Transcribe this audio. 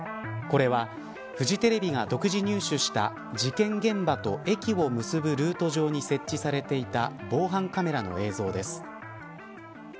これはフジテレビが独自に入手した事件現場と駅を結ぶルート上に設置されていた防犯カメラの映像です。